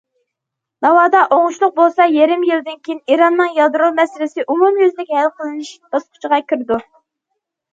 ناۋادا ئوڭۇشلۇق بولسا، يېرىم يىلدىن كېيىن ئىراننىڭ يادرو مەسىلىسى ئومۇميۈزلۈك ھەل قىلىنىش باسقۇچىغا كىرىدۇ.